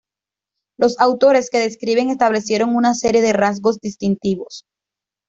Los autores que describen establecieron una serie de rasgos distintivos.